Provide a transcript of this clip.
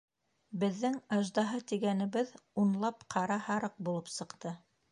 Беҙҙең аждаһа тигәнебеҙ унлап ҡара һарыҡ булып сыҡты.